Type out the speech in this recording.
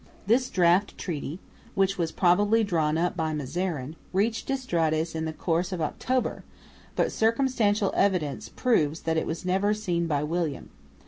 This draft treaty, which was probably drawn up by Mazarin, reached d'Estrades in the course of October, but circumstantial evidence proves that it was never seen by William.